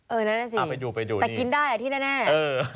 เออนั่นแน่น่ะสิไปดูไปดูแต่กินได้อาทิตย์น่ะแน่เออ